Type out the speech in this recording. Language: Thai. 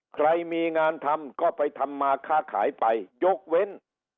ใครมีงานทำก็ไปทำมาค้าขายไปยกเว้น